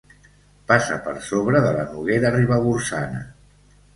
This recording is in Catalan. Passa per sobre de la Noguera Ribagorçana.